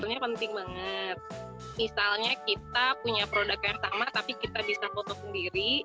sebetulnya penting banget misalnya kita punya produk yang sama tapi kita bisa foto sendiri